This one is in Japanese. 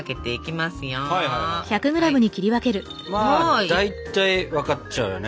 まあ大体分かっちゃうよね。